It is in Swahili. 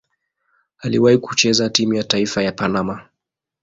Aliwahi kucheza timu ya taifa ya Panama.